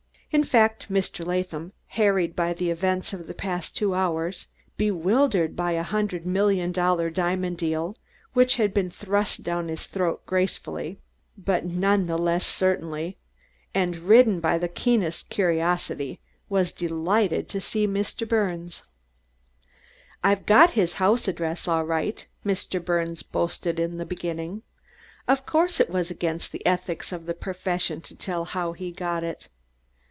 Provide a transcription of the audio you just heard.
In fact, Mr. Latham, harried by the events of the past two hours, bewildered by a hundred million dollar diamond deal which had been thrust down his throat gracefully, but none the less certainly, and ridden by the keenest curiosity, was delighted to see Mr. Birnes. "I've got his house address all right," Mr. Birne boasted, in the beginning. Of course it was against the ethics of the profession to tell how he got it.